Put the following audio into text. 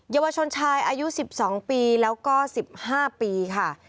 เยาวชนชายอายุ๑๒ปีแล้วก็๑๕ปีค่ะ